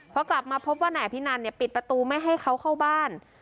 พอกลับมาพบว่านายอภินันเนี่ยปิดประตูไม่ให้เขาเข้าบ้าน